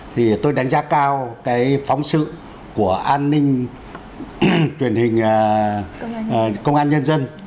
thì tôi đánh giá cao cái phóng sự của an ninh truyền hình công an nhân dân